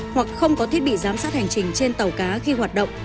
hoặc không có thiết bị giám sát hành trình trên tàu cá khi hoạt động